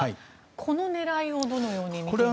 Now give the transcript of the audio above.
この狙いをどのように見ていますか。